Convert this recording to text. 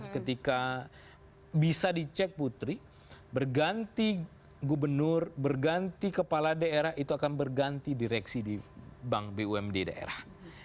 ketika bisa dicek putri berganti gubernur berganti kepala daerah itu akan berganti direksi di bank bumd daerah